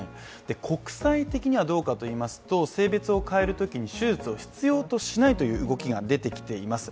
国際的にはどうかといいますと、性別を変えるときに、手術を必要としないという動きが出てきています。